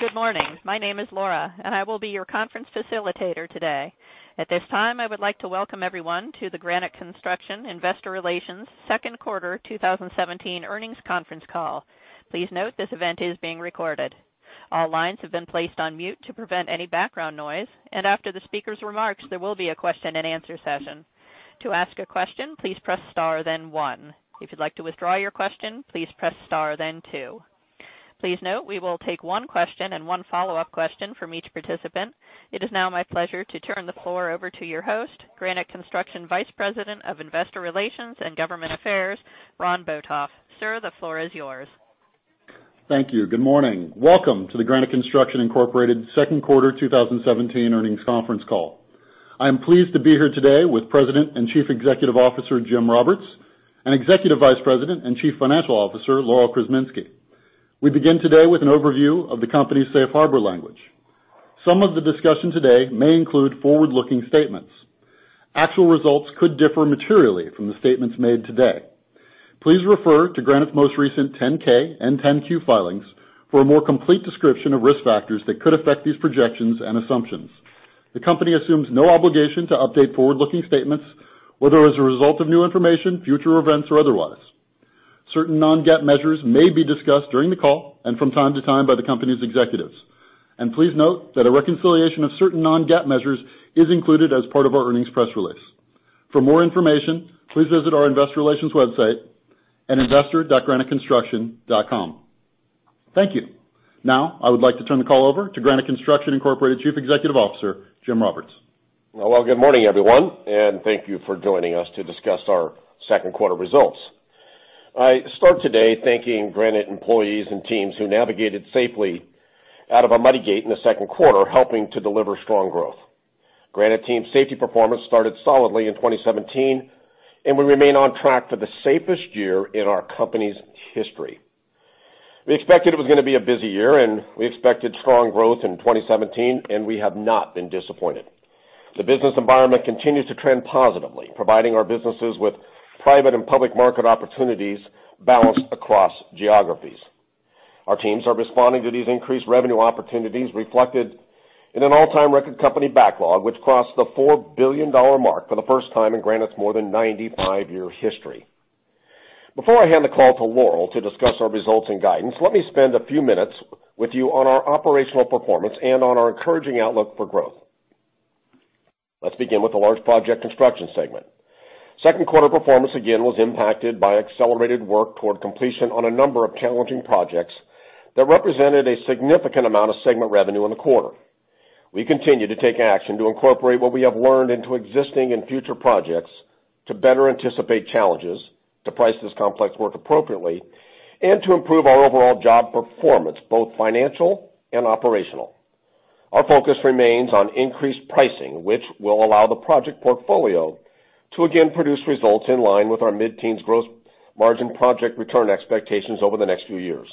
Good morning. My name is Laura, and I will be your conference facilitator today. At this time, I would like to welcome everyone to the Granite Construction Investor Relations Second Quarter 2017 Earnings Conference Call. Please note this event is being recorded. All lines have been placed on mute to prevent any background noise, and after the speaker's remarks, there will be a question-and-answer session. To ask a question, please press star, then one. If you'd like to withdraw your question, please press star, then two. Please note we will take one question and one follow-up question from each participant. It is now my pleasure to turn the floor over to your host, Granite Construction Vice President of Investor Relations and Government Affairs, Ron Botoff. Sir, the floor is yours. Thank you. Good morning. Welcome to the Granite Construction Incorporated Second Quarter 2017 Earnings Conference Call. I am pleased to be here today with President and Chief Executive Officer Jim Roberts and Executive Vice President and Chief Financial Officer Laurel Krzeminski. We begin today with an overview of the company's safe harbor language. Some of the discussion today may include forward-looking statements. Actual results could differ materially from the statements made today. Please refer to Granite's most recent 10-K and 10-Q filings for a more complete description of risk factors that could affect these projections and assumptions. The company assumes no obligation to update forward-looking statements, whether as a result of new information, future events, or otherwise. Certain non-GAAP measures may be discussed during the call and from time to time by the company's executives. Please note that a reconciliation of certain non-GAAP measures is included as part of our earnings press release. For more information, please visit our Investor Relations website at investor.graniteconstruction.com. Thank you. Now, I would like to turn the call over to Granite Construction Incorporated Chief Executive Officer, Jim Roberts. Well, good morning, everyone, and thank you for joining us to discuss our Second Quarter Results. I start today thanking Granite employees and teams who navigated safely out of a muddy gate in the second quarter, helping to deliver strong growth. Granite team's safety performance started solidly in 2017, and we remain on track for the safest year in our company's history. We expected it was going to be a busy year, and we expected strong growth in 2017, and we have not been disappointed. The business environment continues to trend positively, providing our businesses with private and public market opportunities balanced across geographies. Our teams are responding to these increased revenue opportunities reflected in an all-time record company backlog, which crossed the $4 billion mark for the first time in Granite's more than 95-year history. Before I hand the call to Laurel to discuss our results and guidance, let me spend a few minutes with you on our operational performance and on our encouraging outlook for growth. Let's begin with the large project construction segment. Second quarter performance again was impacted by accelerated work toward completion on a number of challenging projects that represented a significant amount of segment revenue in the quarter. We continue to take action to incorporate what we have learned into existing and future projects to better anticipate challenges, to price this complex work appropriately, and to improve our overall job performance, both financial and operational. Our focus remains on increased pricing, which will allow the project portfolio to again produce results in line with our mid-teens gross margin project return expectations over the next few years.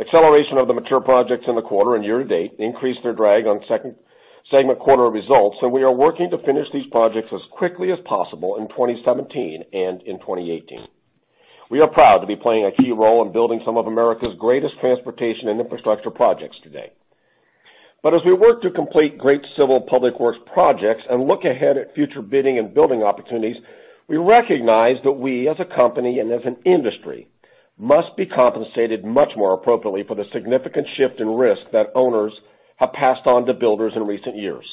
Acceleration of the mature projects in the quarter and year-to-date increased their drag on segment quarter results, and we are working to finish these projects as quickly as possible in 2017 and in 2018. We are proud to be playing a key role in building some of America's greatest transportation and infrastructure projects today. But as we work to complete great civil public works projects and look ahead at future bidding and building opportunities, we recognize that we, as a company and as an industry, must be compensated much more appropriately for the significant shift in risk that owners have passed on to builders in recent years.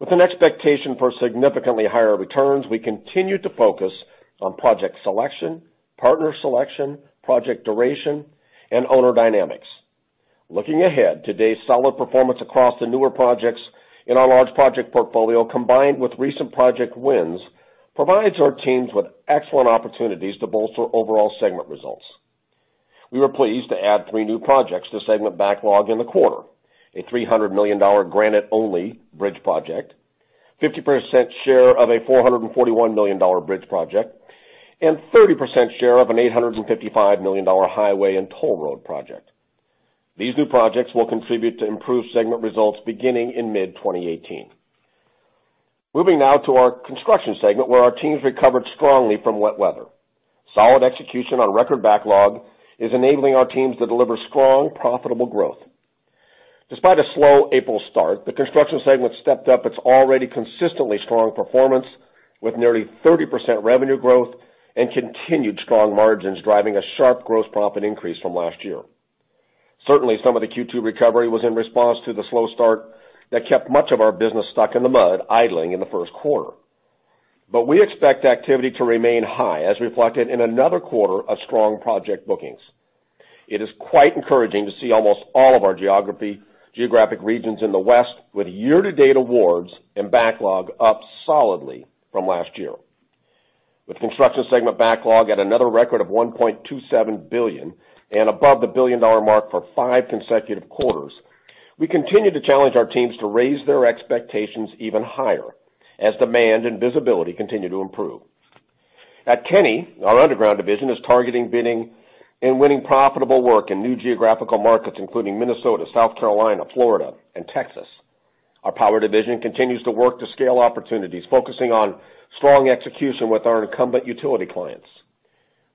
With an expectation for significantly higher returns, we continue to focus on project selection, partner selection, project duration, and owner dynamics. Looking ahead, today's solid performance across the newer projects in our large project portfolio, combined with recent project wins, provides our teams with excellent opportunities to bolster overall segment results. We were pleased to add three new projects to segment backlog in the quarter: a $300 million Granite-only bridge project, a 50% share of a $441 million bridge project, and a 30% share of an $855 million highway and toll road project. These new projects will contribute to improved segment results beginning in mid-2018. Moving now to our construction segment, where our teams recovered strongly from wet weather. Solid execution on record backlog is enabling our teams to deliver strong, profitable growth. Despite a slow April start, the construction segment stepped up its already consistently strong performance with nearly 30% revenue growth and continued strong margins, driving a sharp gross profit increase from last year. Certainly, some of the Q2 recovery was in response to the slow start that kept much of our business stuck in the mud, idling in the first quarter. But we expect activity to remain high as reflected in another quarter of strong project bookings. It is quite encouraging to see almost all of our geographic regions in the West with year-to-date awards and backlog up solidly from last year. With construction segment backlog at another record of $1.27 billion and above the billion-dollar mark for five consecutive quarters, we continue to challenge our teams to raise their expectations even higher as demand and visibility continue to improve. At Kenny, our underground division is targeting bidding and winning profitable work in new geographical markets, including Minnesota, South Carolina, Florida, and Texas. Our power division continues to work to scale opportunities, focusing on strong execution with our incumbent utility clients.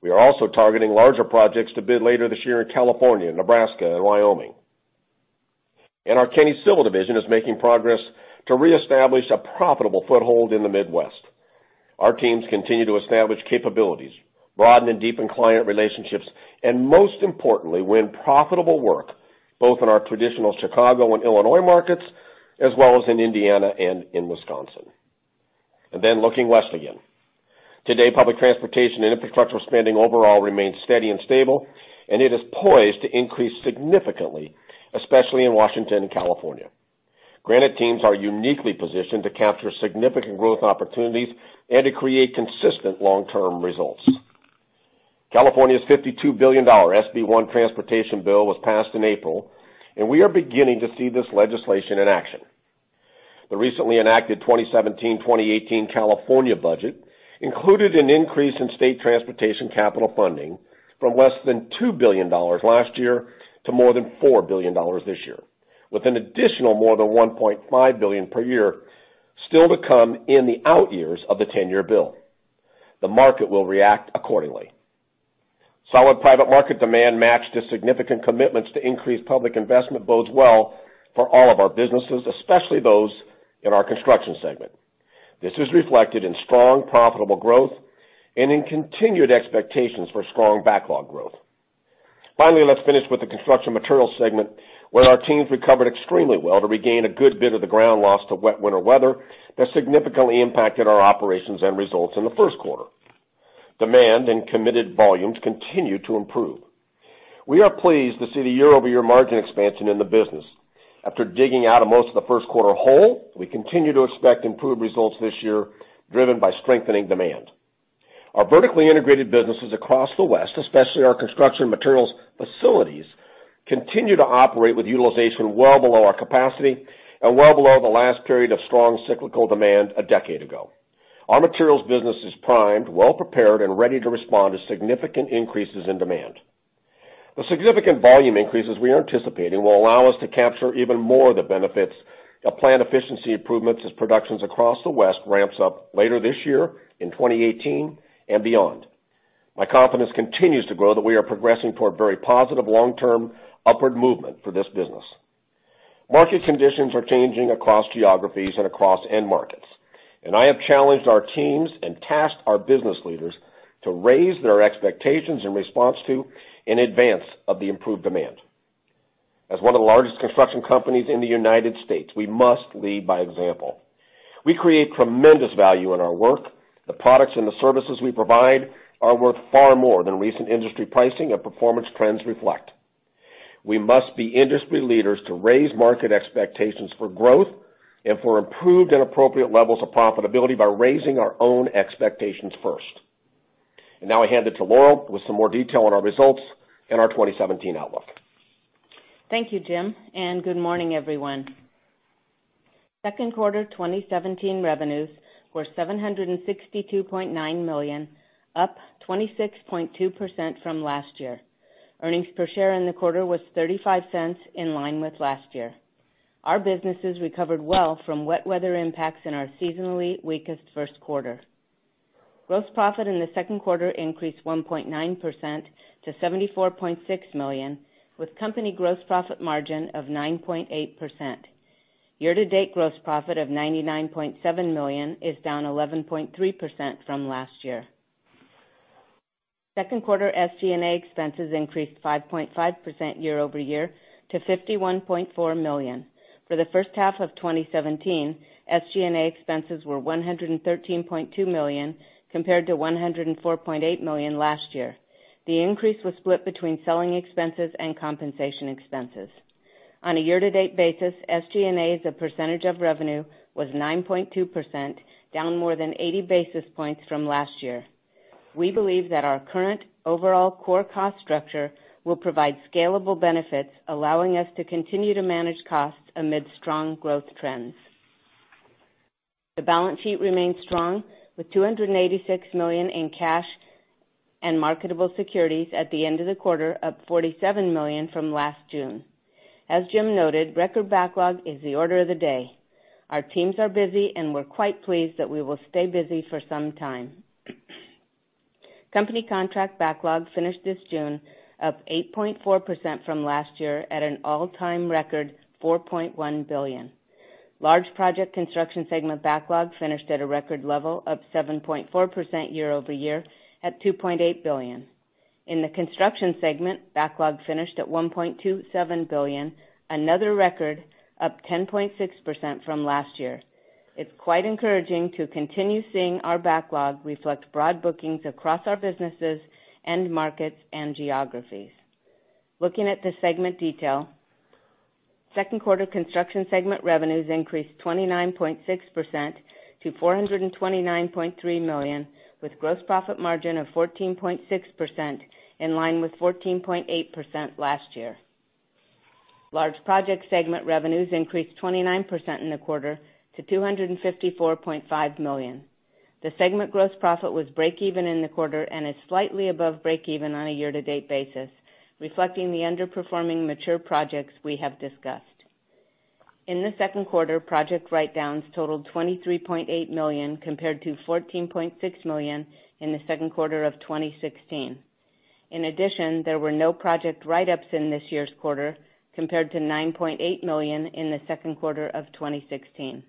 We are also targeting larger projects to bid later this year in California, Nebraska, and Wyoming. Our Kenny Civil division is making progress to reestablish a profitable foothold in the Midwest. Our teams continue to establish capabilities, broaden and deepen client relationships, and most importantly, win profitable work both in our traditional Chicago and Illinois markets, as well as in Indiana and in Wisconsin. Then looking west again, today public transportation and infrastructure spending overall remains steady and stable, and it is poised to increase significantly, especially in Washington and California. Granite teams are uniquely positioned to capture significant growth opportunities and to create consistent long-term results. California's $52 billion SB 1 transportation bill was passed in April, and we are beginning to see this legislation in action. The recently enacted 2017-2018 California budget included an increase in state transportation capital funding from less than $2 billion last year to more than $4 billion this year, with an additional more than $1.5 billion per year still to come in the out-years of the 10-year bill. The market will react accordingly. Solid private market demand matched the significant commitments to increase public investment bodes well for all of our businesses, especially those in our construction segment. This is reflected in strong, profitable growth and in continued expectations for strong backlog growth. Finally, let's finish with the construction materials segment, where our teams recovered extremely well to regain a good bit of the ground lost to wet winter weather that significantly impacted our operations and results in the first quarter. Demand and committed volumes continue to improve. We are pleased to see the year-over-year margin expansion in the business. After digging out of most of the first quarter hole, we continue to expect improved results this year, driven by strengthening demand. Our vertically integrated businesses across the West, especially our construction materials facilities, continue to operate with utilization well below our capacity and well below the last period of strong cyclical demand a decade ago. Our materials business is primed, well-prepared, and ready to respond to significant increases in demand. The significant volume increases we are anticipating will allow us to capture even more of the benefits of plant efficiency improvements as productions across the West ramp up later this year in 2018 and beyond. My confidence continues to grow that we are progressing toward very positive long-term upward movement for this business. Market conditions are changing across geographies and across end markets, and I have challenged our teams and tasked our business leaders to raise their expectations in response to and in advance of the improved demand. As one of the largest construction companies in the United States, we must lead by example. We create tremendous value in our work. The products and the services we provide are worth far more than recent industry pricing and performance trends reflect. We must be industry leaders to raise market expectations for growth and for improved and appropriate levels of profitability by raising our own expectations first. Now I hand it to Laurel with some more detail on our results and our 2017 outlook. Thank you, Jim. Good morning, everyone. Second quarter 2017 revenues were $762.9 million, up 26.2% from last year. Earnings per share in the quarter was $0.35, in line with last year. Our businesses recovered well from wet weather impacts in our seasonally weakest first quarter. Gross profit in the second quarter increased 1.9% to $74.6 million, with company gross profit margin of 9.8%. Year-to-date gross profit of $99.7 million is down 11.3% from last year. Second quarter SG&A expenses increased 5.5% year-over-year to $51.4 million. For the first half of 2017, SG&A expenses were $113.2 million compared to $104.8 million last year. The increase was split between selling expenses and compensation expenses. On a year-to-date basis, SG&A's percentage of revenue was 9.2%, down more than 80 basis points from last year. We believe that our current overall core cost structure will provide scalable benefits, allowing us to continue to manage costs amid strong growth trends. The balance sheet remains strong, with $286 million in cash and marketable securities at the end of the quarter, up $47 million from last June. As Jim noted, record backlog is the order of the day. Our teams are busy, and we're quite pleased that we will stay busy for some time. Company contract backlog finished this June up 8.4% from last year at an all-time record $4.1 billion. Large project construction segment backlog finished at a record level of 7.4% year-over-year at $2.8 billion. In the construction segment, backlog finished at $1.27 billion, another record up 10.6% from last year. It's quite encouraging to continue seeing our backlog reflect broad bookings across our businesses, end markets, and geographies. Looking at the segment detail, second quarter construction segment revenues increased 29.6% to $429.3 million, with gross profit margin of 14.6%, in line with 14.8% last year. Large project segment revenues increased 29% in the quarter to $254.5 million. The segment gross profit was break-even in the quarter and is slightly above break-even on a year-to-date basis, reflecting the underperforming mature projects we have discussed. In the second quarter, project write-downs totaled $23.8 million compared to $14.6 million in the second quarter of 2016. In addition, there were no project write-ups in this year's quarter compared to $9.8 million in the second quarter of 2016.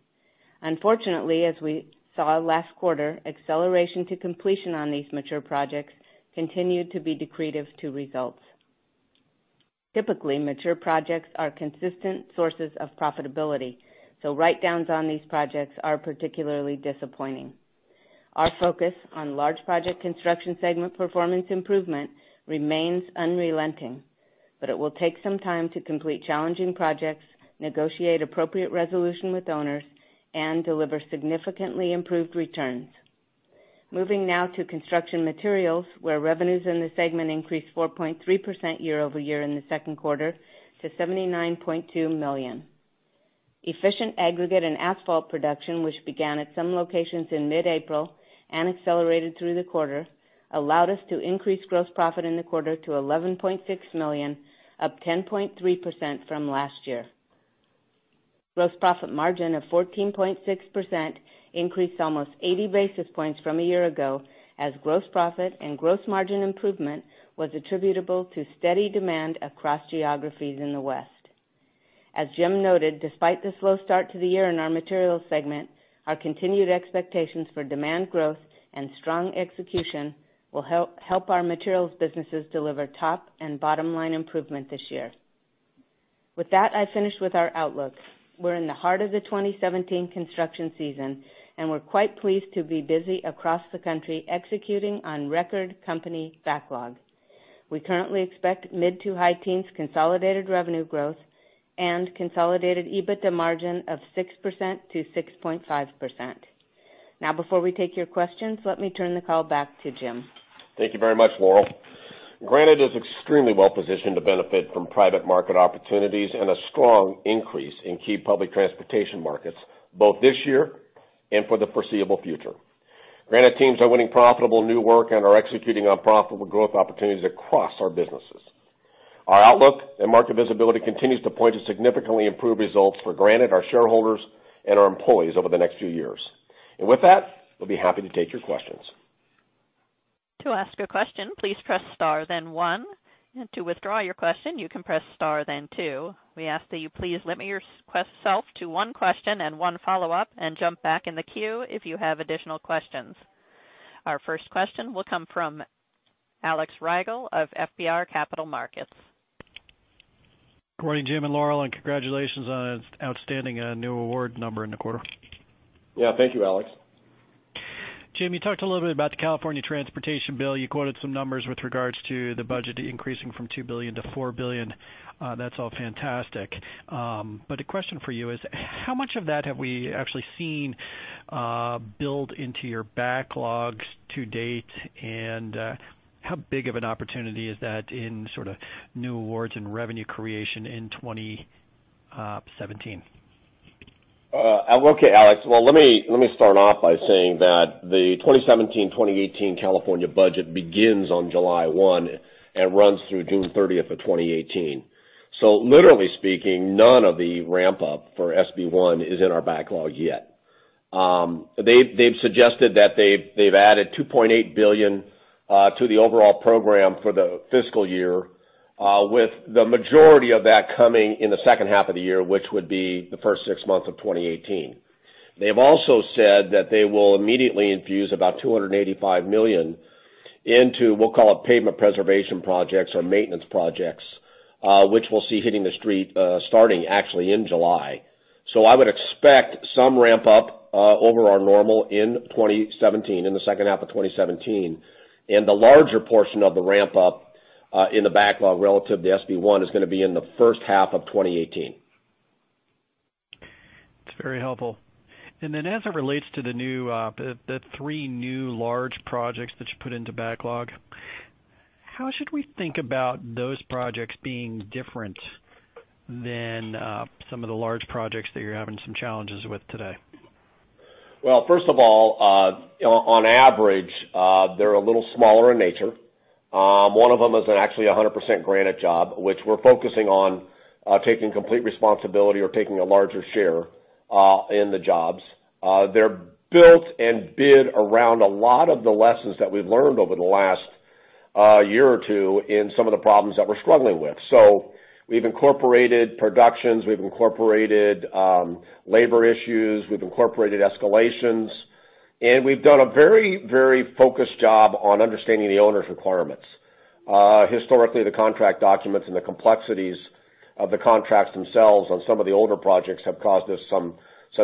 Unfortunately, as we saw last quarter, acceleration to completion on these mature projects continued to be decretive to results. Typically, mature projects are consistent sources of profitability, so write-downs on these projects are particularly disappointing. Our focus on large project construction segment performance improvement remains unrelenting, but it will take some time to complete challenging projects, negotiate appropriate resolution with owners, and deliver significantly improved returns. Moving now to construction materials, where revenues in the segment increased 4.3% year-over-year in the second quarter to $79.2 million. Efficient aggregate and asphalt production, which began at some locations in mid-April and accelerated through the quarter, allowed us to increase gross profit in the quarter to $11.6 million, up 10.3% from last year. Gross profit margin of 14.6% increased almost 80 basis points from a year ago as gross profit and gross margin improvement was attributable to steady demand across geographies in the West. As Jim noted, despite the slow start to the year in our materials segment, our continued expectations for demand growth and strong execution will help our materials businesses deliver top and bottom-line improvement this year. With that, I finish with our outlook. We're in the heart of the 2017 construction season, and we're quite pleased to be busy across the country executing on record company backlog. We currently expect mid to high teens consolidated revenue growth and consolidated EBITDA margin of 6%-6.5%. Now, before we take your questions, let me turn the call back to Jim. Thank you very much, Laurel. Granite is extremely well-positioned to benefit from private market opportunities and a strong increase in key public transportation markets, both this year and for the foreseeable future. Granite teams are winning profitable new work and are executing on profitable growth opportunities across our businesses. Our outlook and market visibility continue to point to significantly improved results for Granite, our shareholders, and our employees over the next few years. With that, we'll be happy to take your questions. To ask a question, please press star, then one. To withdraw your question, you can press star, then two. We ask that you please limit yourself to one question and one follow-up and jump back in the queue if you have additional questions. Our first question will come from Alex Rygiel of FBR Capital Markets. Good morning, Jim and Laurel, and congratulations on an outstanding new award number in the quarter. Yeah, thank you, Alex. Jim, you talked a little bit about the California Transportation Bill. You quoted some numbers with regards to the budget increasing from $2 billion to $4 billion. That's all fantastic. But the question for you is, how much of that have we actually seen build into your backlog to date, and how big of an opportunity is that in sort of new awards and revenue creation in 2017? Okay, Alex. Well, let me start off by saying that the 2017-2018 California budget begins on July 1 and runs through June 30th of 2018. So literally speaking, none of the ramp-up for SB 1 is in our backlog yet. They've suggested that they've added $2.8 billion to the overall program for the fiscal year, with the majority of that coming in the second half of the year, which would be the first six months of 2018. They've also said that they will immediately infuse about $285 million into, we'll call it, pavement preservation projects or maintenance projects, which we'll see hitting the street starting actually in July. So I would expect some ramp-up over our normal in 2017, in the second half of 2017. And the larger portion of the ramp-up in the backlog relative to SB 1 is going to be in the first half of 2018. That's very helpful. And then as it relates to the three new large projects that you put into backlog, how should we think about those projects being different than some of the large projects that you're having some challenges with today? Well, first of all, on average, they're a little smaller in nature. One of them is actually a 100% Granite job, which we're focusing on taking complete responsibility or taking a larger share in the jobs. They're built and bid around a lot of the lessons that we've learned over the last year or two in some of the problems that we're struggling with. So we've incorporated productions, we've incorporated labor issues, we've incorporated escalations, and we've done a very, very focused job on understanding the owner's requirements. Historically, the contract documents and the complexities of the contracts themselves on some of the older projects have caused us some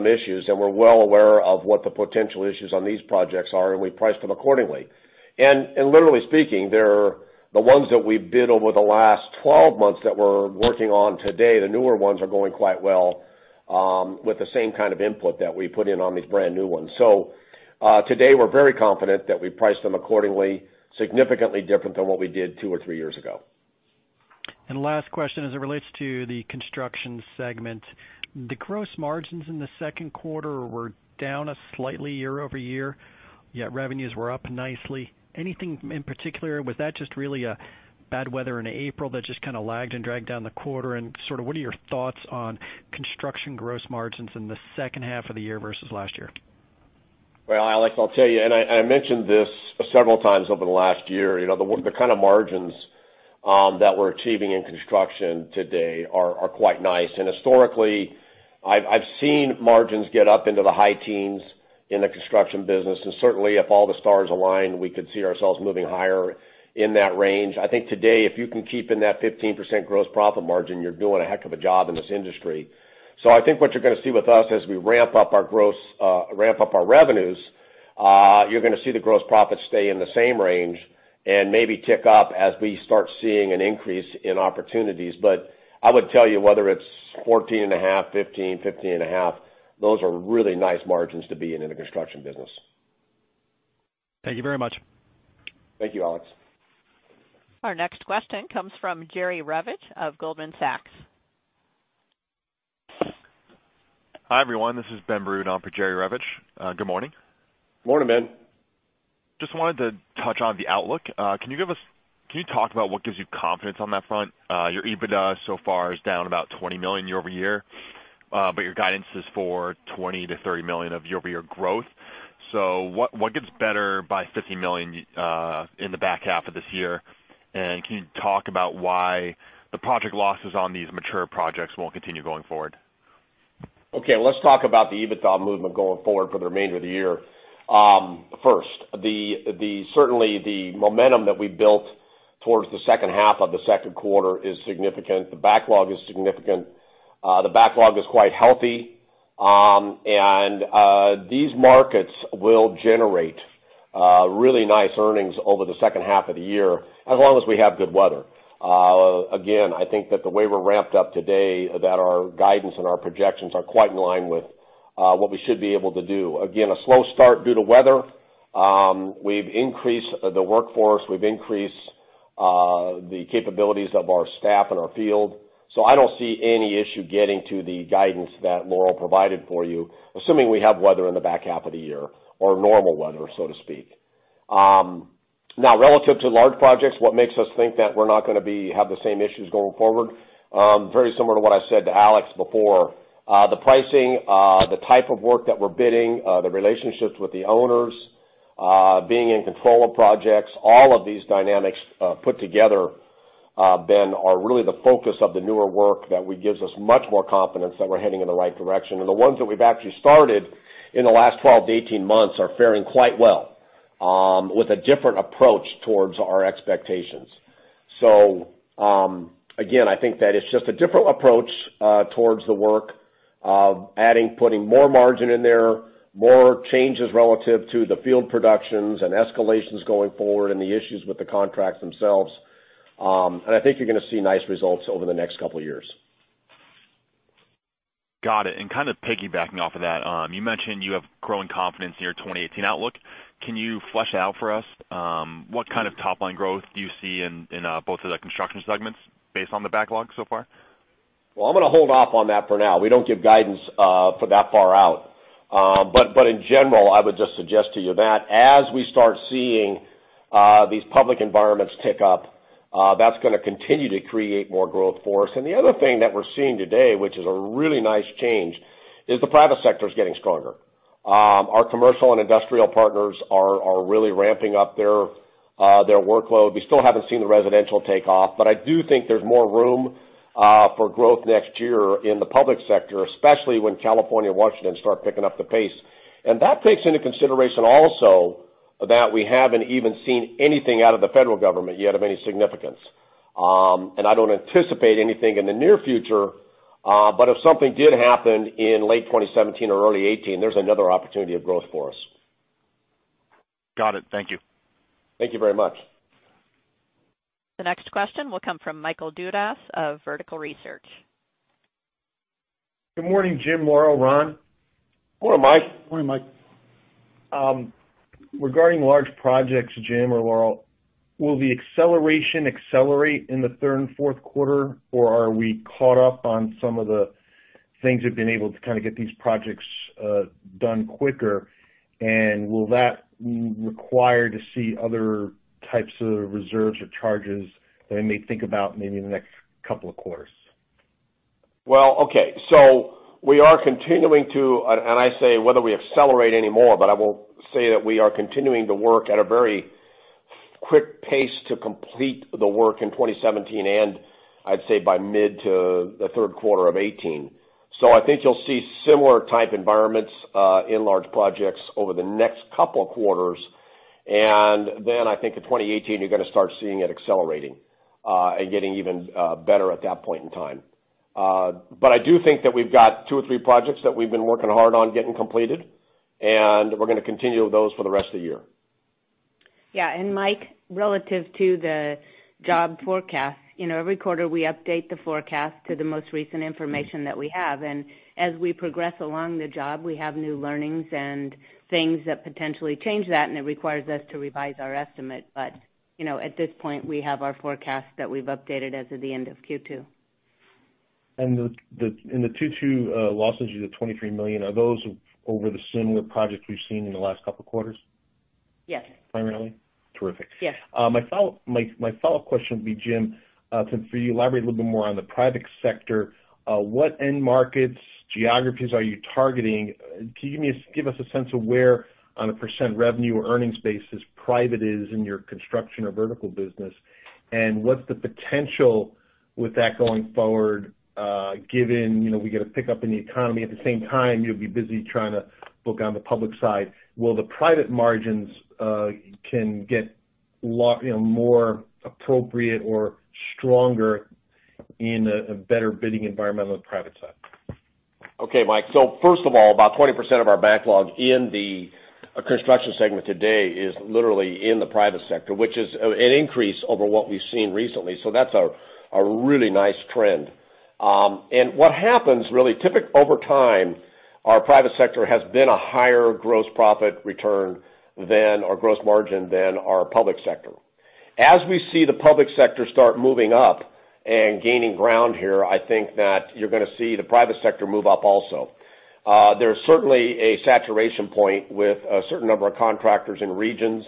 issues, and we're well aware of what the potential issues on these projects are, and we priced them accordingly. And literally speaking, they're the ones that we bid over the last 12 months that we're working on today. The newer ones are going quite well with the same kind of input that we put in on these brand new ones. So today, we're very confident that we priced them accordingly, significantly different than what we did two or three years ago. Last question as it relates to the construction segment. The gross margins in the second quarter were down slightly year-over-year, yet revenues were up nicely. Anything in particular? Was that just really bad weather in April that just kind of lagged and dragged down the quarter? And sort of what are your thoughts on construction gross margins in the second half of the year versus last year? Well, Alex, I'll tell you, and I mentioned this several times over the last year, the kind of margins that we're achieving in construction today are quite nice. And historically, I've seen margins get up into the high teens in the construction business. And certainly, if all the stars align, we could see ourselves moving higher in that range. I think today, if you can keep in that 15% gross profit margin, you're doing a heck of a job in this industry. So I think what you're going to see with us as we ramp up our revenues, you're going to see the gross profit stay in the same range and maybe tick up as we start seeing an increase in opportunities. But I would tell you, whether it's 14.5%, 15%, 15.5%, those are really nice margins to be in the construction business. Thank you very much. Thank you, Alex. Our next question comes from Jerry Revich of Goldman Sachs. Hi everyone. This is Ben Burud for Jerry Revich. Good morning. Morning, Ben. Just wanted to touch on the outlook. Can you talk about what gives you confidence on that front? Your EBITDA so far is down about $20 million year-over-year, but your guidance is for $20-$30 million of year-over-year growth. So what gets better by $50 million in the back half of this year? And can you talk about why the project losses on these mature projects won't continue going forward? Okay, let's talk about the EBITDA movement going forward for the remainder of the year. First, certainly the momentum that we built towards the second half of the second quarter is significant. The backlog is significant. The backlog is quite healthy, and these markets will generate really nice earnings over the second half of the year as long as we have good weather. Again, I think that the way we're ramped up today, that our guidance and our projections are quite in line with what we should be able to do. Again, a slow start due to weather. We've increased the workforce. We've increased the capabilities of our staff and our field. So I don't see any issue getting to the guidance that Laurel provided for you, assuming we have weather in the back half of the year or normal weather, so to speak. Now, relative to large projects, what makes us think that we're not going to have the same issues going forward? Very similar to what I said to Alex before. The pricing, the type of work that we're bidding, the relationships with the owners, being in control of projects, all of these dynamics put together, Ben, are really the focus of the newer work that gives us much more confidence that we're heading in the right direction. And the ones that we've actually started in the last 12-18 months are faring quite well with a different approach towards our expectations. So again, I think that it's just a different approach towards the work of adding, putting more margin in there, more changes relative to the field productions and escalations going forward, and the issues with the contracts themselves. I think you're going to see nice results over the next couple of years. Got it. Kind of piggybacking off of that, you mentioned you have growing confidence in your 2018 outlook. Can you flesh out for us what kind of top-line growth do you see in both of the construction segments based on the backlog so far? Well, I'm going to hold off on that for now. We don't give guidance for that far out. But in general, I would just suggest to you that as we start seeing these public environments tick up, that's going to continue to create more growth for us. And the other thing that we're seeing today, which is a really nice change, is the private sector is getting stronger. Our commercial and industrial partners are really ramping up their workload. We still haven't seen the residential take off, but I do think there's more room for growth next year in the public sector, especially when California and Washington start picking up the pace. And that takes into consideration also that we haven't even seen anything out of the federal government yet of any significance. I don't anticipate anything in the near future, but if something did happen in late 2017 or early 2018, there's another opportunity of growth for us. Got it. Thank you. Thank you very much. The next question will come from Michael Dudas of Vertical Research. Good morning, Jim, Laurel, Ron. Morning, Mike. Morning, Mike. Regarding large projects, Jim or Laurel, will the acceleration accelerate in the third and fourth quarter, or are we caught up on some of the things that have been able to kind of get these projects done quicker? And will that require to see other types of reserves or charges that we may think about maybe in the next couple of quarters? Well, okay. So we are continuing to, and I say whether we accelerate anymore, but I will say that we are continuing to work at a very quick pace to complete the work in 2017 and, I'd say, by mid to the third quarter of 2018. So I think you'll see similar type environments in large projects over the next couple of quarters. And then I think in 2018, you're going to start seeing it accelerating and getting even better at that point in time. But I do think that we've got 2 or 3 projects that we've been working hard on getting completed, and we're going to continue with those for the rest of the year. Yeah. And Mike, relative to the job forecast, every quarter we update the forecast to the most recent information that we have. And as we progress along the job, we have new learnings and things that potentially change that, and it requires us to revise our estimate. But at this point, we have our forecast that we've updated as of the end of Q2. The Q2 losses you said $23 million, are those over the similar projects we've seen in the last couple of quarters? Yes. Primarily? Terrific. Yes. My follow-up question would be, Jim, for you to elaborate a little bit more on the private sector, what end markets, geographies are you targeting? Can you give us a sense of where, on a percent revenue or earnings basis, private is in your construction or vertical business? And what's the potential with that going forward, given we get a pickup in the economy? At the same time, you'll be busy trying to book on the public side. Will the private margins can get more appropriate or stronger in a better bidding environment on the private side? Okay, Mike. So first of all, about 20% of our backlog in the construction segment today is literally in the private sector, which is an increase over what we've seen recently. So that's a really nice trend. And what happens really, over time, our private sector has been a higher gross profit return than or gross margin than our public sector. As we see the public sector start moving up and gaining ground here, I think that you're going to see the private sector move up also. There's certainly a saturation point with a certain number of contractors in regions.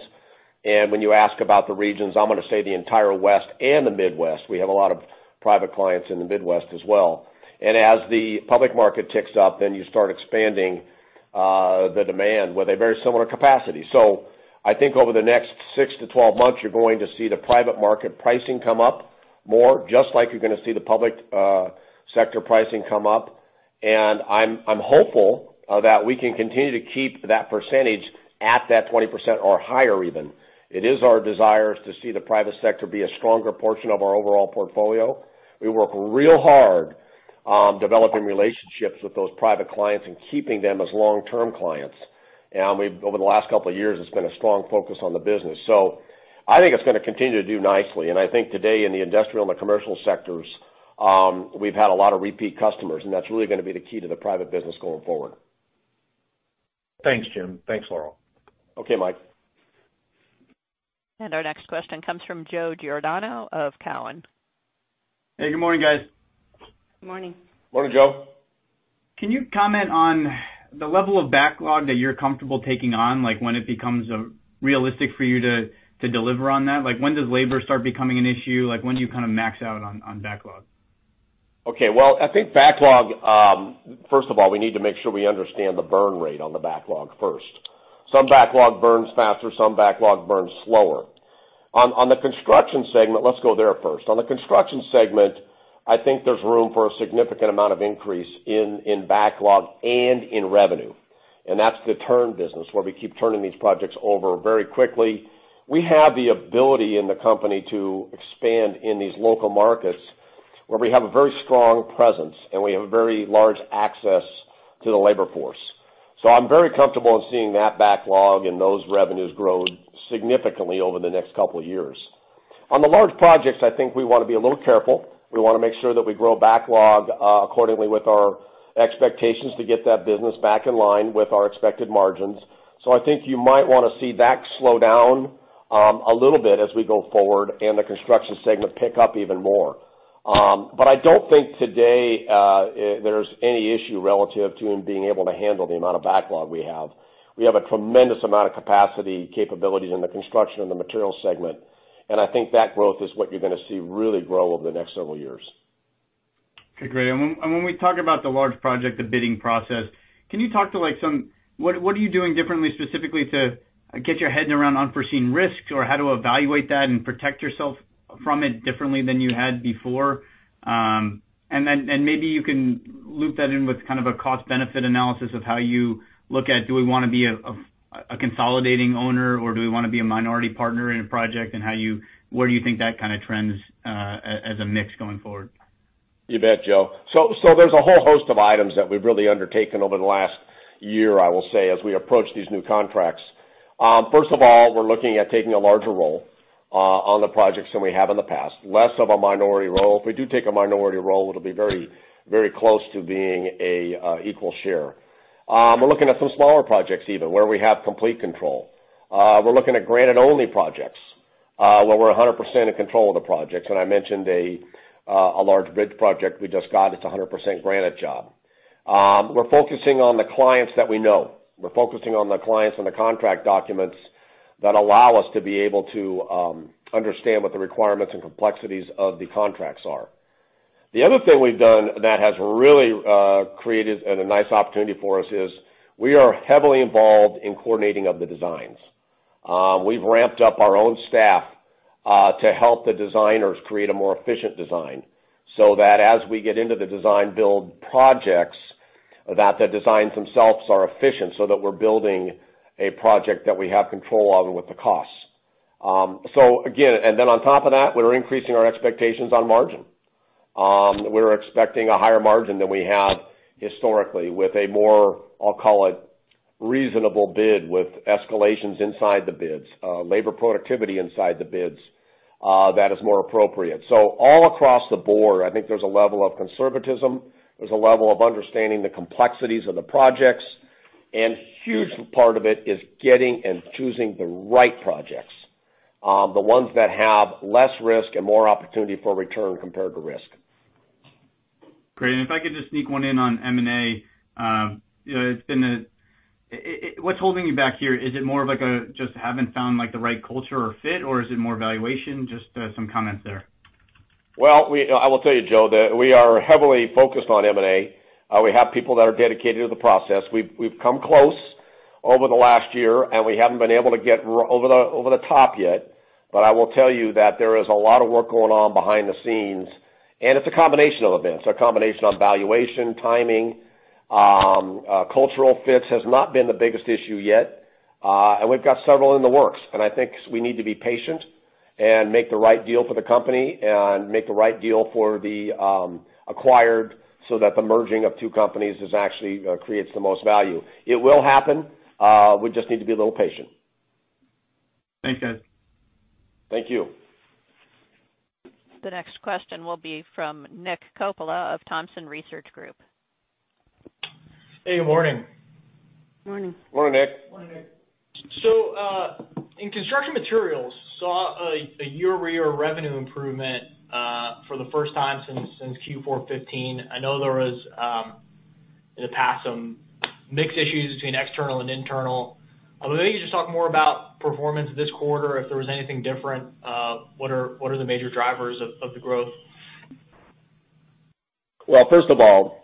And when you ask about the regions, I'm going to say the entire West and the Midwest. We have a lot of private clients in the Midwest as well. And as the public market ticks up, then you start expanding the demand with a very similar capacity. So I think over the next 6-12 months, you're going to see the private market pricing come up more, just like you're going to see the public sector pricing come up. And I'm hopeful that we can continue to keep that percentage at that 20% or higher even. It is our desire to see the private sector be a stronger portion of our overall portfolio. We work real hard developing relationships with those private clients and keeping them as long-term clients. And over the last couple of years, it's been a strong focus on the business. So I think it's going to continue to do nicely. And I think today in the industrial and the commercial sectors, we've had a lot of repeat customers, and that's really going to be the key to the private business going forward. Thanks, Jim. Thanks, Laurel. Okay, Mike. Our next question comes from Joe Giordano of Cowen. Hey, good morning, guys. Good morning. Morning, Joe. Can you comment on the level of backlog that you're comfortable taking on, like when it becomes realistic for you to deliver on that? Like when does labor start becoming an issue? Like when do you kind of max out on backlog? Okay. Well, I think backlog, first of all, we need to make sure we understand the burn rate on the backlog first. Some backlog burns faster, some backlog burns slower. On the construction segment, let's go there first. On the construction segment, I think there's room for a significant amount of increase in backlog and in revenue. And that's the turn business where we keep turning these projects over very quickly. We have the ability in the company to expand in these local markets where we have a very strong presence and we have a very large access to the labor force. So I'm very comfortable in seeing that backlog and those revenues grow significantly over the next couple of years. On the large projects, I think we want to be a little careful. We want to make sure that we grow backlog accordingly with our expectations to get that business back in line with our expected margins. So I think you might want to see that slow down a little bit as we go forward and the construction segment pick up even more. But I don't think today there's any issue relative to being able to handle the amount of backlog we have. We have a tremendous amount of capacity, capabilities in the construction and the materials segment. And I think that growth is what you're going to see really grow over the next several years. Okay, great. And when we talk about the large project, the bidding process, can you talk to what are you doing differently specifically to get your head around unforeseen risks or how to evaluate that and protect yourself from it differently than you had before? And then maybe you can loop that in with kind of a cost-benefit analysis of how you look at, do we want to be a consolidating owner or do we want to be a minority partner in a project and where do you think that kind of trends as a mix going forward? You bet, Joe. So there's a whole host of items that we've really undertaken over the last year, I will say, as we approach these new contracts. First of all, we're looking at taking a larger role on the projects than we have in the past, less of a minority role. If we do take a minority role, it'll be very close to being an equal share. We're looking at some smaller projects even where we have complete control. We're looking at Granite-only projects where we're 100% in control of the projects. And I mentioned a large bridge project we just got. It's a 100% Granite job. We're focusing on the clients that we know. We're focusing on the clients and the contract documents that allow us to be able to understand what the requirements and complexities of the contracts are. The other thing we've done that has really created a nice opportunity for us is we are heavily involved in coordinating of the designs. We've ramped up our own staff to help the designers create a more efficient design so that as we get into the design-build projects, that the designs themselves are efficient so that we're building a project that we have control of and with the costs. So again, and then on top of that, we're increasing our expectations on margin. We're expecting a higher margin than we have historically with a more, I'll call it, reasonable bid with escalations inside the bids, labor productivity inside the bids that is more appropriate. So all across the board, I think there's a level of conservatism. There's a level of understanding the complexities of the projects. A huge part of it is getting and choosing the right projects, the ones that have less risk and more opportunity for return compared to risk. Great. And if I could just sneak one in on M&A, it's been a what's holding you back here? Is it more of like a just haven't found the right culture or fit, or is it more valuation? Just some comments there. Well, I will tell you, Joe, that we are heavily focused on M&A. We have people that are dedicated to the process. We've come close over the last year, and we haven't been able to get over the top yet. But I will tell you that there is a lot of work going on behind the scenes. And it's a combination of events, a combination of valuation, timing. Cultural fits has not been the biggest issue yet. And we've got several in the works. And I think we need to be patient and make the right deal for the company and make the right deal for the acquired so that the merging of two companies actually creates the most value. It will happen. We just need to be a little patient. Thank you. Thank you. The next question will be from Nick Coppola of Thompson Research Group. Hey, good morning. Morning. Morning, Nick. Morning, Nick. So in construction materials, saw a year-over-year revenue improvement for the first time since Q4 2015. I know there was, in the past, some mixed issues between external and internal. But maybe you just talk more about performance this quarter, if there was anything different. What are the major drivers of the growth? Well, first of all,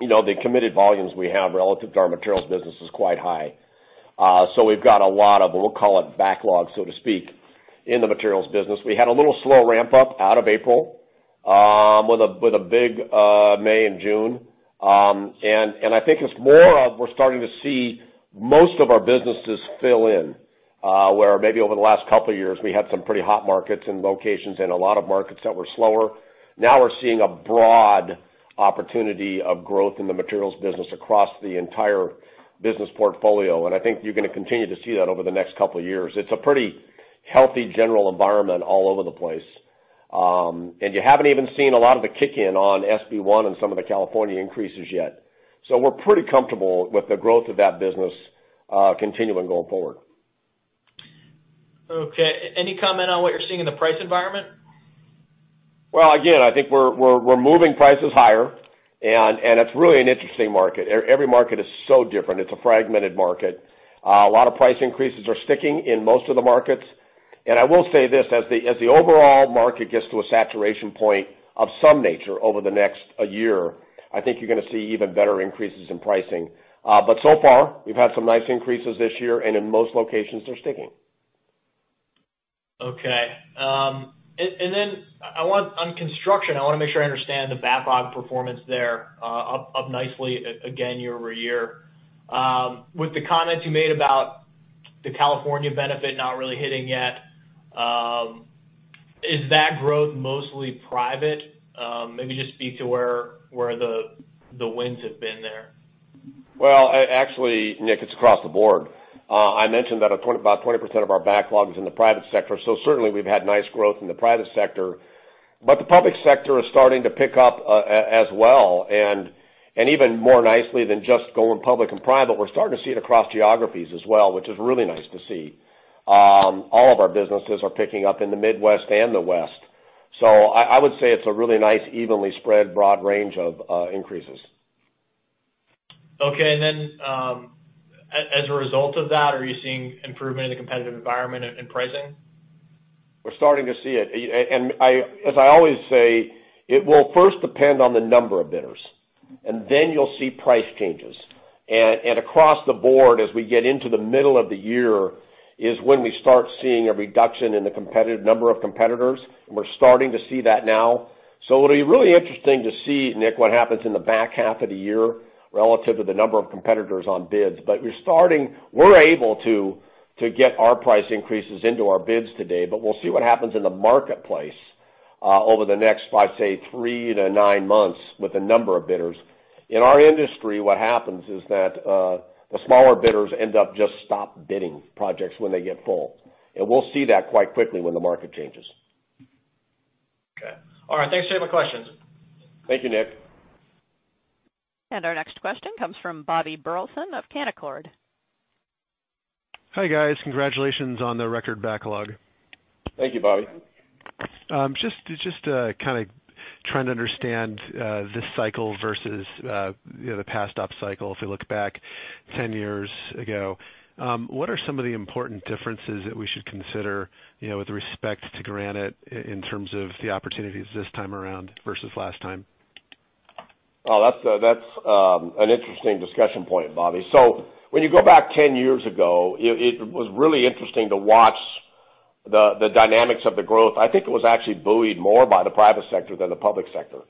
the committed volumes we have relative to our materials business is quite high. So we've got a lot of, we'll call it backlog, so to speak, in the materials business. We had a little slow ramp-up out of April with a big May and June. And I think it's more of we're starting to see most of our businesses fill in, where maybe over the last couple of years we had some pretty hot markets and locations and a lot of markets that were slower. Now we're seeing a broad opportunity of growth in the materials business across the entire business portfolio. And I think you're going to continue to see that over the next couple of years. It's a pretty healthy general environment all over the place. You haven't even seen a lot of the kick-in on SB 1 and some of the California increases yet. We're pretty comfortable with the growth of that business continuing going forward. Okay. Any comment on what you're seeing in the price environment? Well, again, I think we're moving prices higher. And it's really an interesting market. Every market is so different. It's a fragmented market. A lot of price increases are sticking in most of the markets. And I will say this: as the overall market gets to a saturation point of some nature over the next year, I think you're going to see even better increases in pricing. But so far, we've had some nice increases this year, and in most locations, they're sticking. Okay. Then on construction, I want to make sure I understand the backlog performance there, up nicely again year-over-year. With the comments you made about the California benefit not really hitting yet, is that growth mostly private? Maybe just speak to where the wins have been there. Well, actually, Nick, it's across the board. I mentioned that about 20% of our backlog is in the private sector. So certainly, we've had nice growth in the private sector. But the public sector is starting to pick up as well. And even more nicely than just going public and private, we're starting to see it across geographies as well, which is really nice to see. All of our businesses are picking up in the Midwest and the West. So I would say it's a really nice evenly spread broad range of increases. Okay. And then as a result of that, are you seeing improvement in the competitive environment and pricing? We're starting to see it. As I always say, it will first depend on the number of bidders. Then you'll see price changes. Across the board, as we get into the middle of the year, is when we start seeing a reduction in the number of competitors. We're starting to see that now. It'll be really interesting to see, Nick, what happens in the back half of the year relative to the number of competitors on bids. We're able to get our price increases into our bids today. We'll see what happens in the marketplace over the next, I'd say, 3-9 months with the number of bidders. In our industry, what happens is that the smaller bidders end up just stop bidding projects when they get full. We'll see that quite quickly when the market changes. Okay. All right. Thanks for taking my questions. Thank you, Nick. Our next question comes from Bobby Burleson of Canaccord Genuity. Hi guys. Congratulations on the record backlog. Thank you, Bobby. Just kind of trying to understand this cycle versus the past up cycle. If we look back 10 years ago, what are some of the important differences that we should consider with respect to Granite in terms of the opportunities this time around versus last time? Well, that's an interesting discussion point, Bobby. So when you go back 10 years ago, it was really interesting to watch the dynamics of the growth. I think it was actually buoyed more by the private sector than the public sector.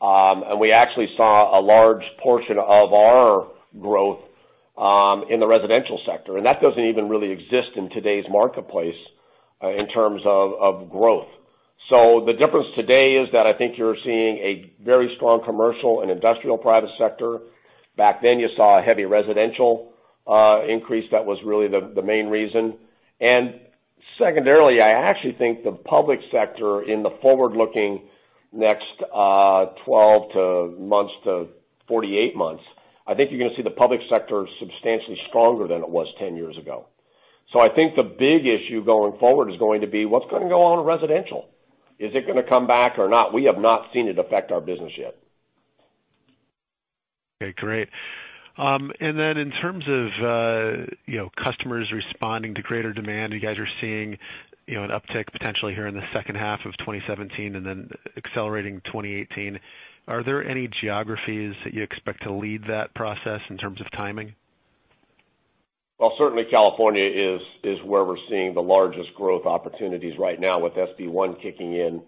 And we actually saw a large portion of our growth in the residential sector. And that doesn't even really exist in today's marketplace in terms of growth. So the difference today is that I think you're seeing a very strong commercial and industrial private sector. Back then, you saw a heavy residential increase that was really the main reason. And secondarily, I actually think the public sector in the forward-looking next 12-48 months, I think you're going to see the public sector substantially stronger than it was 10 years ago. So I think the big issue going forward is going to be what's going to go on residential. Is it going to come back or not? We have not seen it affect our business yet. Okay, great. And then in terms of customers responding to greater demand, you guys are seeing an uptick potentially here in the second half of 2017 and then accelerating 2018. Are there any geographies that you expect to lead that process in terms of timing? Well, certainly, California is where we're seeing the largest growth opportunities right now with SB 1 kicking in.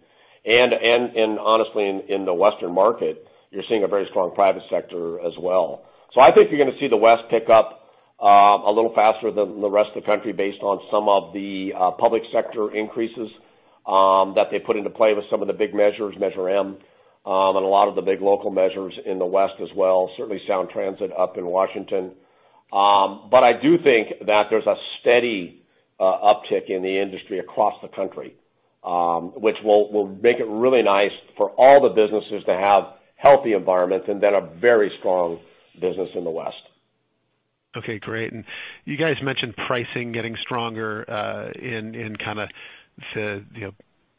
And honestly, in the Western market, you're seeing a very strong private sector as well. So I think you're going to see the West pick up a little faster than the rest of the country based on some of the public sector increases that they put into play with some of the big measures, Measure M, and a lot of the big local measures in the West as well. Certainly, Sound Transit up in Washington. But I do think that there's a steady uptick in the industry across the country, which will make it really nice for all the businesses to have healthy environments and then a very strong business in the West. Okay, great. You guys mentioned pricing getting stronger in kind of the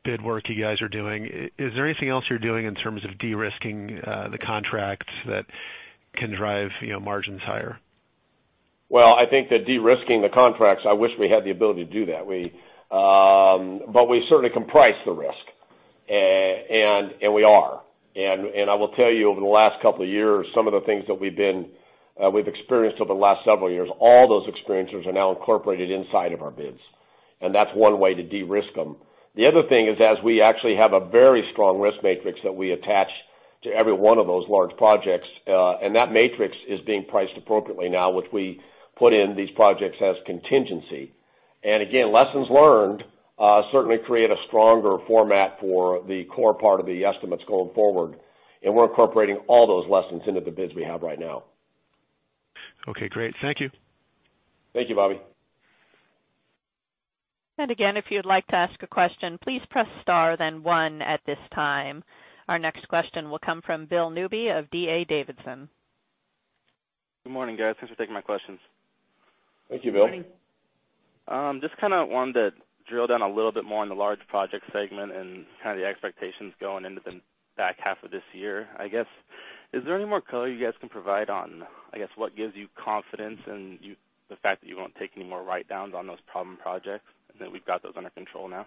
bid work you guys are doing. Is there anything else you're doing in terms of de-risking the contracts that can drive margins higher? Well, I think that de-risking the contracts, I wish we had the ability to do that. But we certainly can price the risk. And we are. And I will tell you, over the last couple of years, some of the things that we've experienced over the last several years, all those experiences are now incorporated inside of our bids. And that's one way to de-risk them. The other thing is, as we actually have a very strong risk matrix that we attach to every one of those large projects, and that matrix is being priced appropriately now, which we put in these projects as contingency. And again, lessons learned certainly create a stronger format for the core part of the estimates going forward. And we're incorporating all those lessons into the bids we have right now. Okay, great. Thank you. Thank you, Bobby. Again, if you'd like to ask a question, please press star then one at this time. Our next question will come from Bill Newby of D.A. Davidson. Good morning, guys. Thanks for taking my questions. Thank you, Bill. Good morning. Just kind of wanted to drill down a little bit more on the large project segment and kind of the expectations going into the back half of this year. I guess, is there any more color you guys can provide on, I guess, what gives you confidence and the fact that you won't take any more write-downs on those problem projects and that we've got those under control now?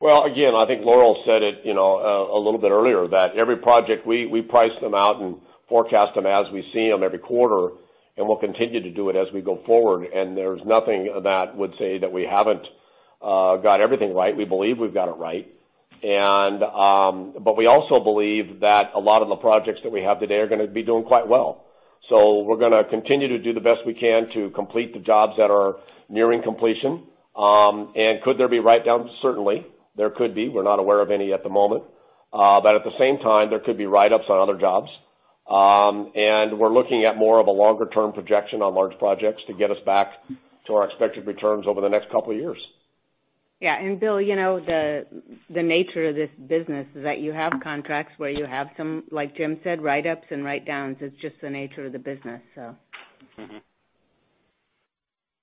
Well, again, I think Laurel said it a little bit earlier that every project, we price them out and forecast them as we see them every quarter. And we'll continue to do it as we go forward. And there's nothing that would say that we haven't got everything right. We believe we've got it right. But we also believe that a lot of the projects that we have today are going to be doing quite well. So we're going to continue to do the best we can to complete the jobs that are nearing completion. And could there be write-downs? Certainly, there could be. We're not aware of any at the moment. But at the same time, there could be write-ups on other jobs. And we're looking at more of a longer-term projection on large projects to get us back to our expected returns over the next couple of years. Yeah. And Bill, the nature of this business is that you have contracts where you have some, like Jim said, write-ups and write-downs. It's just the nature of the business, so.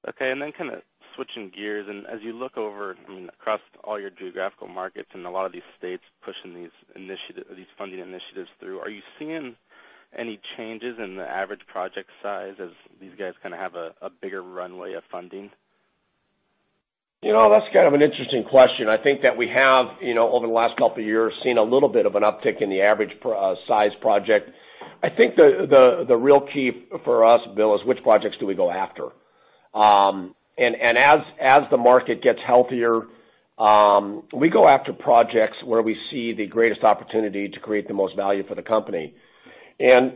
Okay. Then kind of switching gears. As you look over, I mean, across all your geographical markets and a lot of these states pushing these funding initiatives through, are you seeing any changes in the average project size as these guys kind of have a bigger runway of funding? That's kind of an interesting question. I think that we have, over the last couple of years, seen a little bit of an uptick in the average size project. I think the real key for us, Bill, is which projects do we go after? And as the market gets healthier, we go after projects where we see the greatest opportunity to create the most value for the company. And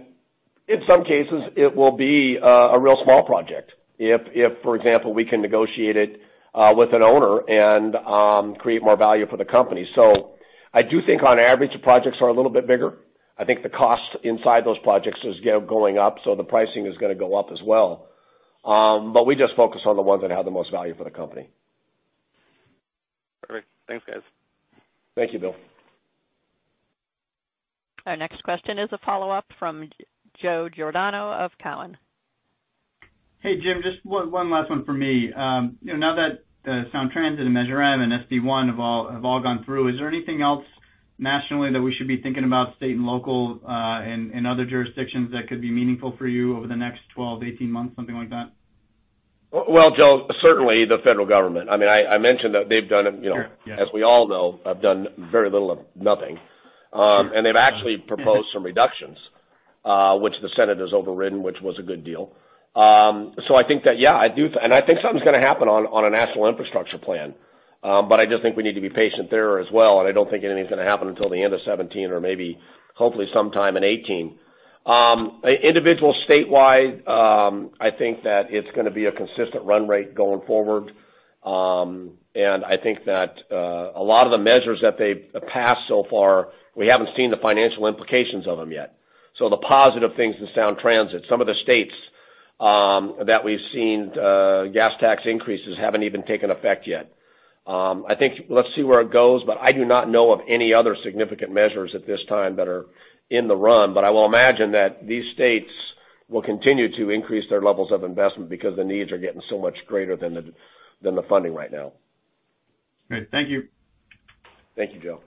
in some cases, it will be a real small project if, for example, we can negotiate it with an owner and create more value for the company. So I do think, on average, the projects are a little bit bigger. I think the cost inside those projects is going up. So the pricing is going to go up as well. But we just focus on the ones that have the most value for the company. Perfect. Thanks, guys. Thank you, Bill. Our next question is a follow-up from Joe Giordano of Cowen. Hey, Jim. Just one last one for me. Now that Sound Transit and Measure M and SB 1 have all gone through, is there anything else nationally that we should be thinking about, state and local and other jurisdictions that could be meaningful for you over the next 12-18 months, something like that? Well, certainly, the federal government. I mean, I mentioned that they've done, as we all know, have done very little of nothing. And they've actually proposed some reductions, which the Senate has overridden, which was a good deal. So I think that, yeah, I do. And I think something's going to happen on a national infrastructure plan. But I just think we need to be patient there as well. And I don't think anything's going to happen until the end of 2017 or maybe hopefully sometime in 2018. Individual statewide, I think that it's going to be a consistent run rate going forward. And I think that a lot of the measures that they've passed so far, we haven't seen the financial implications of them yet. So the positive things in Sound Transit, some of the states that we've seen gas tax increases haven't even taken effect yet. I think let's see where it goes. But I do not know of any other significant measures at this time that are in the run. But I will imagine that these states will continue to increase their levels of investment because the needs are getting so much greater than the funding right now. Great. Thank you. Thank you, Joe.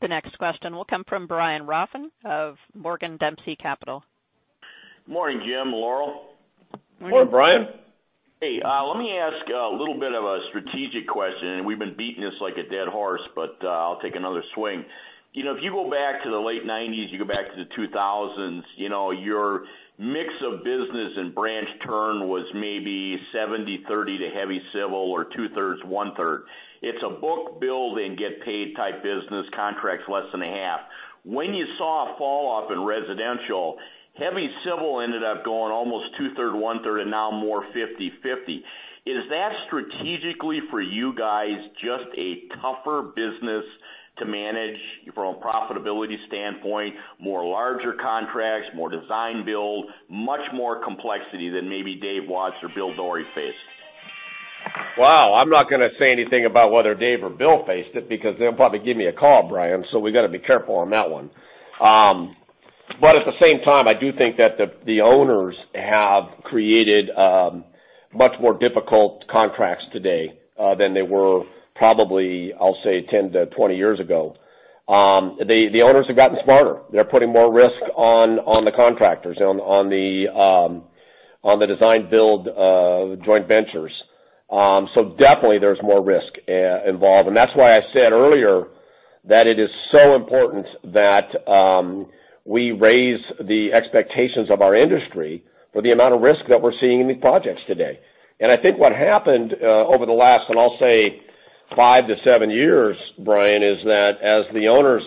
The next question will come from Brian Rafn of Morgan Dempsey Capital Management. Good morning, Jim. Laurel. Morning, Brian. Hey. Let me ask a little bit of a strategic question. We've been beating this like a dead horse, but I'll take another swing. If you go back to the late 1990s, you go back to the 2000s, your mix of business and branch turn was maybe 70/30 to heavy civil or two-thirds, one-third. It's a bid-build and get paid type business, contracts less than half. When you saw a falloff in residential, heavy civil ended up going almost two-thirds, one-third, and now more 50/50. Is that strategically for you guys just a tougher business to manage from a profitability standpoint, more larger contracts, more design-build, much more complexity than maybe Dave Watts or Bill Dorey faced? Wow. I'm not going to say anything about whether Dave or Bill faced it because they'll probably give me a call, Brian. So we've got to be careful on that one. But at the same time, I do think that the owners have created much more difficult contracts today than they were probably, I'll say, 10-20 years ago. The owners have gotten smarter. They're putting more risk on the contractors, on the design-build joint ventures. So definitely, there's more risk involved. And that's why I said earlier that it is so important that we raise the expectations of our industry for the amount of risk that we're seeing in these projects today. I think what happened over the last, and I'll say, 5-7 years, Brian, is that as the owners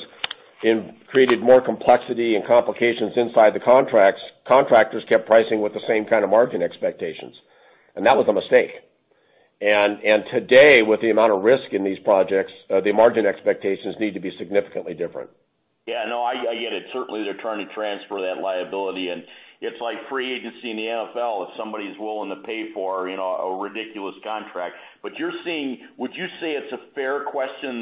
created more complexity and complications inside the contracts, contractors kept pricing with the same kind of margin expectations. That was a mistake. Today, with the amount of risk in these projects, the margin expectations need to be significantly different. Yeah. No, I get it. Certainly, they're trying to transfer that liability. And it's like free agency in the NFL if somebody's willing to pay for a ridiculous contract. But would you say it's a fair question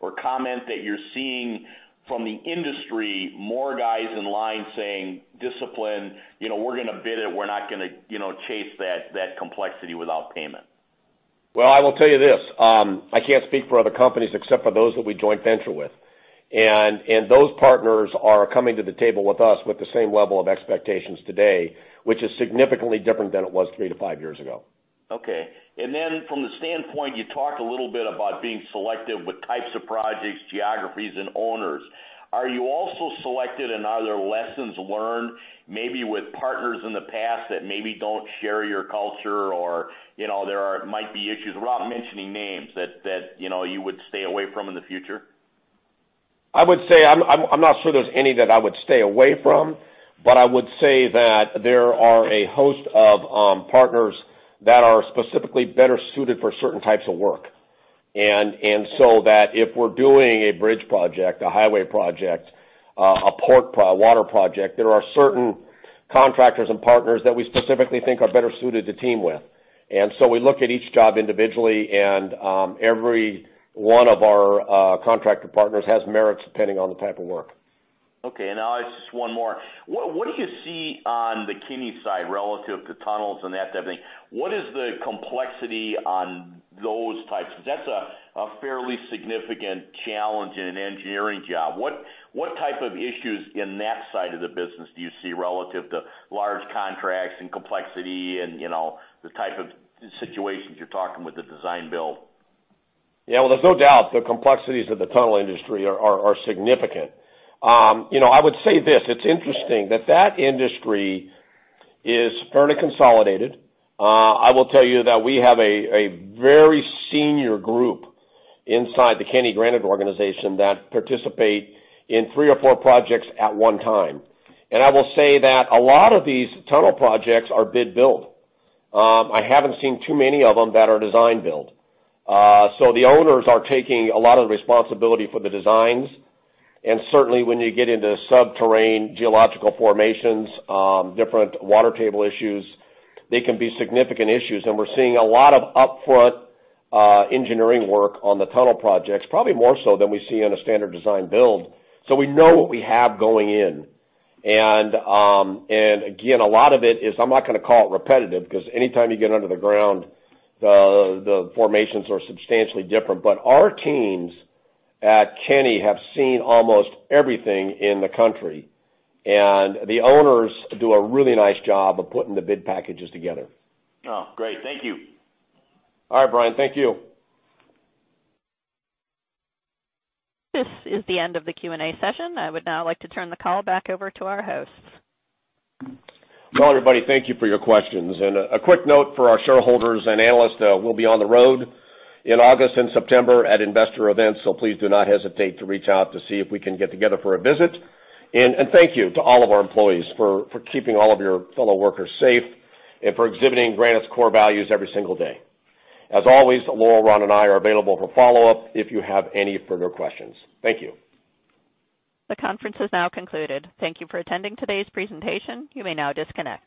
or comment that you're seeing from the industry, more guys in line saying, "Discipline. We're going to bid it. We're not going to chase that complexity without payment"? Well, I will tell you this. I can't speak for other companies except for those that we joint venture with. And those partners are coming to the table with us with the same level of expectations today, which is significantly different than it was 3-5 years ago. Okay. And then from the standpoint, you talked a little bit about being selective with types of projects, geographies, and owners. Are you also selective? And are there lessons learned maybe with partners in the past that maybe don't share your culture or there might be issues? We're not mentioning names that you would stay away from in the future. I would say I'm not sure there's any that I would stay away from. But I would say that there are a host of partners that are specifically better suited for certain types of work. And so that if we're doing a bridge project, a highway project, a water project, there are certain contractors and partners that we specifically think are better suited to team with. And so we look at each job individually. And every one of our contractor partners has merits depending on the type of work. Okay. Now it's just one more. What do you see on the Kenny side relative to tunnels and that type of thing? What is the complexity on those types? Because that's a fairly significant challenge in an engineering job. What type of issues in that side of the business do you see relative to large contracts and complexity and the type of situations you're talking with the design-build? Yeah. Well, there's no doubt the complexities of the tunnel industry are significant. I would say this. It's interesting that that industry is fairly consolidated. I will tell you that we have a very senior group inside the Kenny Granite organization that participate in three or four projects at one time. And I will say that a lot of these tunnel projects are bid-build. I haven't seen too many of them that are design-build. So the owners are taking a lot of the responsibility for the designs. And certainly, when you get into subterranean geological formations, different water table issues, they can be significant issues. And we're seeing a lot of upfront engineering work on the tunnel projects, probably more so than we see on a standard design-build. So we know what we have going in. And again, a lot of it is I'm not going to call it repetitive because anytime you get under the ground, the formations are substantially different. But our teams at Kenny have seen almost everything in the country. And the owners do a really nice job of putting the bid packages together. Oh, great. Thank you. All right, Brian. Thank you. This is the end of the Q&A session. I would now like to turn the call back over to our hosts. Well, everybody, thank you for your questions. A quick note for our shareholders and analysts. We'll be on the road in August and September at investor events. Please do not hesitate to reach out to see if we can get together for a visit. Thank you to all of our employees for keeping all of your fellow workers safe and for exhibiting Granite's core values every single day. As always, Laurel, Ron, and I are available for follow-up if you have any further questions. Thank you. The conference is now concluded. Thank you for attending today's presentation. You may now disconnect.